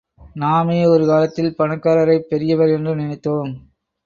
நாமே ஒருகாலத்தில் பணக்காரரைப் பெரியவர் என்று நினைத்தோம்.